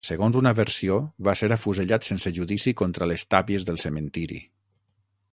Segons una versió, va ser afusellat sense judici contra les tàpies del cementiri.